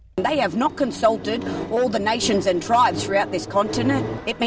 mereka tidak mengundang semua negara dan kota di seluruh kontinen ini